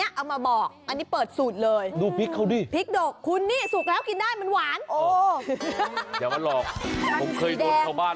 อย่ามาหลอกผมเคยโดนเข้าบ้านหลอกชิ้น